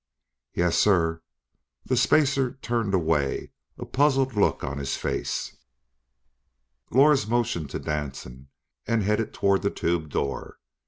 "Yes, sir." The spacer turned away, a puzzled look on his face. Lors motioned to Danson and headed toward the tube door.